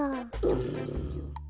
うん。